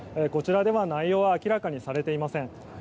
こちらでは内容は明らかにされていません。